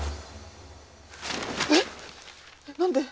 えっ⁉何で？